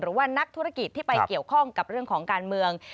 หรือว่านักธุรกิจที่ไปเกี่ยวข้องกับเรื่องของการเมือง